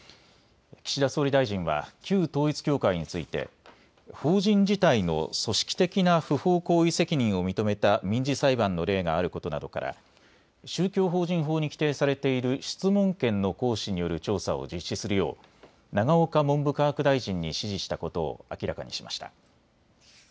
岸田総理大臣は旧統一教会について法人自体の組織的な不法行為責任を認めた民事裁判の例があることなどから宗教法人法に規定されている質問権の行使による調査を実施するよう永岡文部科学大臣に指示したことを明らかにしました。